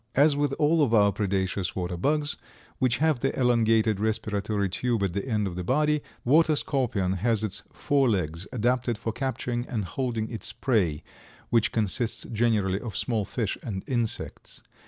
As with all of our Predaceous water bugs, which have the elongated respiratory tube at the end of the body, the Water scorpion has its fore legs adapted for capturing and holding its prey, which consists generally of small fish and insects.